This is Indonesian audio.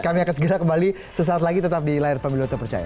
kami akan segera kembali sesaat lagi tetap di layar pemilu terpercaya